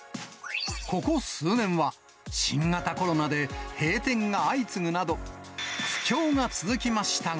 ここ数年は、新型コロナで閉店が相次ぐなど、苦境が続きましたが。